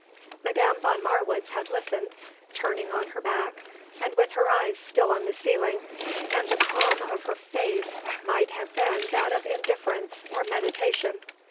Madame von Marwitz had listened, turning on her back and with her eyes still on the ceiling, and the calm of her face might have been that of indifference or meditation.